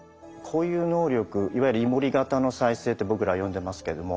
こういう能力いわゆる「イモリ型の再生」って僕らは呼んでますけども。